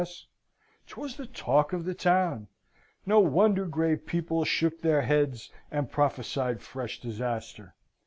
'Twas the talk of the town. No wonder grave people shook their heads, and prophesied fresh disaster.